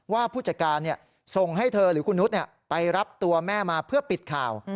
ผู้จัดการส่งให้เธอหรือคุณนุษย์ไปรับตัวแม่มาเพื่อปิดข่าว